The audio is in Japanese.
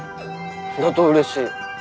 だとうれしい。